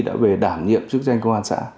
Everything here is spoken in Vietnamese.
đã về đảm nhiệm trước danh công an xã